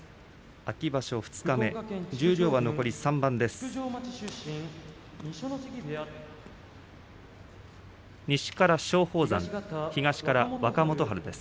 秋場所二日目十両は残り３番です。